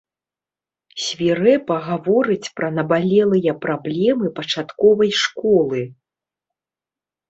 Свірэпа гаворыць пра набалелыя праблемы пачатковай школы.